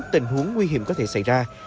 tình huống nguy hiểm có thể xảy ra